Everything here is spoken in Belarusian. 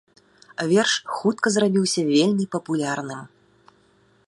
Верш хутка зрабіўся вельмі папулярным.